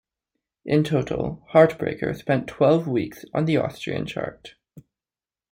In total, "Heartbreaker" spent twelve weeks on the Austrian chart.